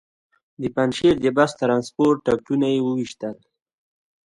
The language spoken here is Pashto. د پنجشېر د بس ټرانسپورټ ټکټونه وېشل.